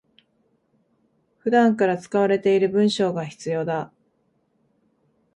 普段から使われている文章が必要だ